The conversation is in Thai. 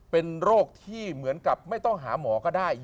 เป็นโรคที่เหมือนกับไม่ต้องหาหมอก็ได้